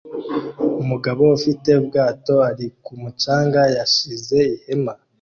Umugabo ufite ubwato ari ku mucanga yashinze ihema